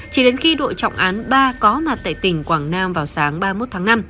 chỉ đến khi đội trọng án ba có mặt tại tỉnh quảng nam vào sáng ba mươi một tháng năm